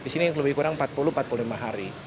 di sini lebih kurang empat puluh empat puluh lima hari